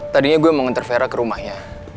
tadinya gue mau nganter vera ke rumah ya